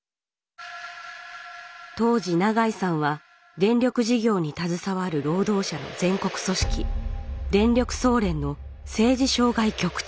当時永井さんは電力事業に携わる労働者の全国組織「電力総連」の政治渉外局長。